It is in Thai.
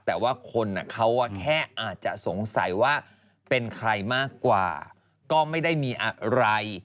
แต่ว่าคนเขาแค่อาจจะสงสัยว่าเป็นใครมากกว่าก็ไม่ได้มีอะไร